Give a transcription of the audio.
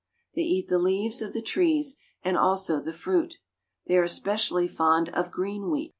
They eat the leaves of the trees and also the fruit. They are especially fond of green wheat.